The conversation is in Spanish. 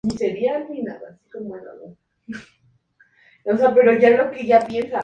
El diario pasó luego a ser vocero del Partido Liberal de Augusto Durand.